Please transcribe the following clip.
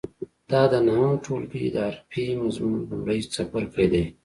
دا د نهم ټولګي د حرفې مضمون لومړی څپرکی دی.